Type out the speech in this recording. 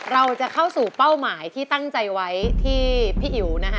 เราจะเข้าสู่เป้าหมายที่ตั้งใจไว้ที่พี่อิ๋วนะฮะ